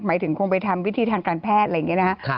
หมายถึงคงไปทำวิธีทางการแพทย์อะไรอย่างนี้นะครับ